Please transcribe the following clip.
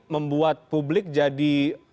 membuat publik jadi